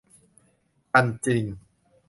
คันจริง